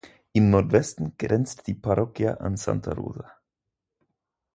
Im Nordwesten grenzt die Parroquia an Santa Rosa.